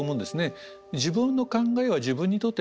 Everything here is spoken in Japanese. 自分の考えは自分にとって正しい。